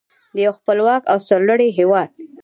د یو خپلواک او سرلوړي هیواد.